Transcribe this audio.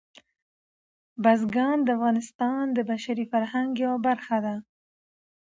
بزګان د افغانستان د بشري فرهنګ یوه برخه ده.